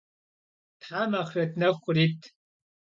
Them axhret nexu khırit!